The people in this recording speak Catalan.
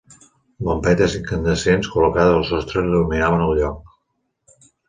Bombetes incandescents col·locades al sostre il·luminaven el lloc.